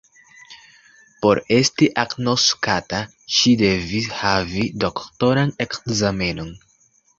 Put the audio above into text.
Por esti agnoskata, ŝi devis havi doktoran ekzamenon.